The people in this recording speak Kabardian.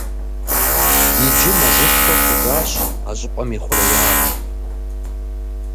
Иджы мэзышхуэ хъужащ а щӏыпӏэм и хъуреягъыр.